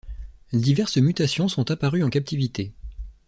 Diverses mutations sont apparues en captivité.